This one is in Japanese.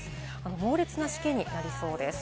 猛烈なしけになりそうです。